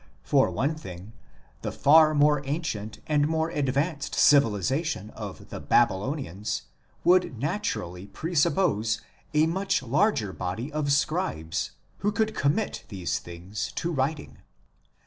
For one thing the far more ancient and more advanced civilization of the Babylonians would naturally presuppose a much larger body of scribes who could commit these things to " writing."